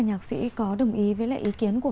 nhạc sĩ có đồng ý với lại ý kiến của